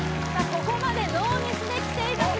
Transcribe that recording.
ここまでノーミスできています